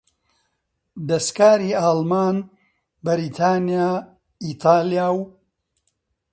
دەسکاری ئاڵمان، بریتانیا، ئیتالیا و